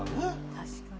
確かに。